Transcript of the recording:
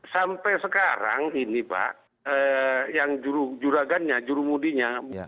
sampai sekarang ini pak yang juragannya jurumudinya